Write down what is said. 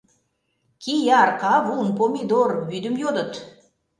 Кияр, кавун, помидор вӱдым йодыт.